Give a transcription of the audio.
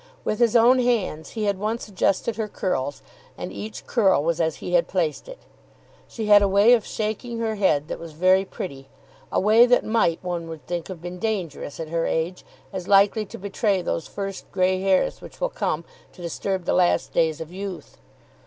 With his own hands he had once adjusted her curls, and each curl was as he had placed it. She had a way of shaking her head, that was very pretty, a way that might, one would think, have been dangerous at her age, as likely to betray those first grey hairs which will come to disturb the last days of youth.